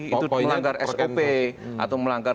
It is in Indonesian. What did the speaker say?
itu melanggar sop atau melanggar